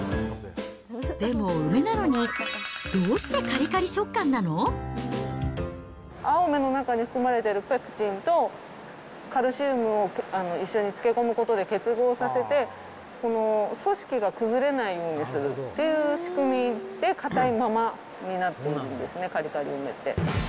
でも梅なのに、青梅の中に含まれてるペクチンと、カルシウムを一緒に漬け込むことで結合させて、組織が崩れないようにするっていう仕組みで、硬いままになってるんですね、カリカリ梅って。